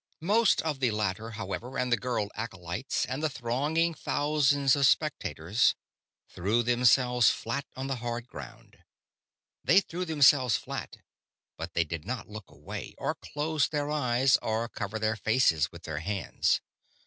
Most of the latter, however, and the girl acolytes and the thronging thousands of spectators, threw themselves flat on the hard ground. They threw themselves flat, but they did not look away or close their eyes or cover their faces with their hands.